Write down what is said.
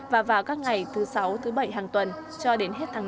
và vào các ngày thứ sáu thứ bảy hàng tuần cho đến hết tháng năm